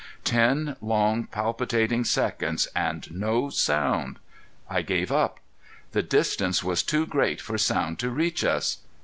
Ten long palpitating seconds and no sound! I gave up. The distance was too great for sound to reach us.